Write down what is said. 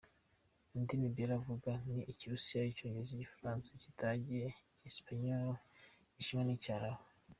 Indimi Bella avuga ni Ikirusiya, Icyongereza, Igifaransa, Ikidage, Icyesipanyolo, Igishinwa n’icyarabu.